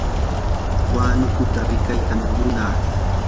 huanukuta riqitam munaa.